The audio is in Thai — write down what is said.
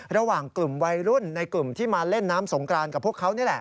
ระหว่างกลุ่มวัยรุ่นในกลุ่มที่มาเล่นน้ำสงกรานกับพวกเขานี่แหละ